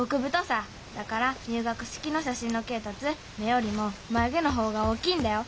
だから入学式の写真の恵達目よりもまゆ毛の方が大きいんだよ。